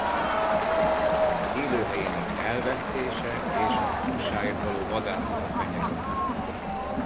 Az élőhelyének elvesztése és a húsáért való vadászata fenyegeti.